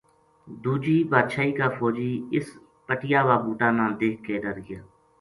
دوجی بادشاہی کا فوجی اس پٹیا وا بوٹا نا دیکھ کے ڈر گیا